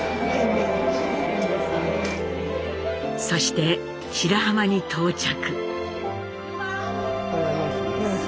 そして白浜に到着。